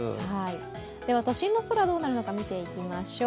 都心の空、どうなるのか見ていきましょう。